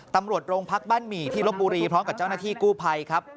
ตำรวจโรงพักบ้านหมี่ที่ลบบุรีพร้อมกับเจ้าหน้าที่กู้ภัยครับ